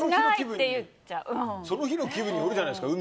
その日の気分によるじゃないですか。